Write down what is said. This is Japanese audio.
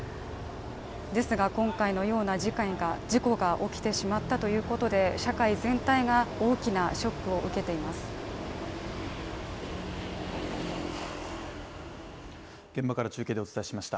ですが、今回のような事故が起きてしまったということで社会全体が大きなショックを受けています。